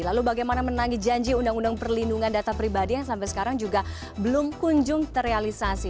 lalu bagaimana menanggi janji undang undang perlindungan data pribadi yang sampai sekarang juga belum kunjung terrealisasi